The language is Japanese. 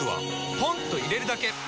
ポンと入れるだけ！